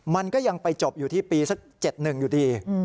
มันก็ยังไปจบอยู่ที่ปีสัก๗๑อยู่ดี